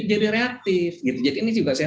jadi reaktif jadi ini juga saya